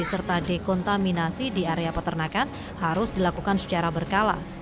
serta dekontaminasi di area peternakan harus dilakukan secara berkala